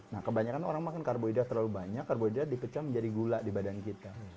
nah kebanyakan orang makan karbohidrat terlalu banyak karbohidrat dipecah menjadi gula di badan kita